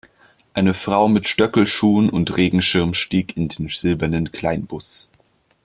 Eine Frau mit Stöckelschuhen und Regenschirm stieg in den silbernen Kleinbus.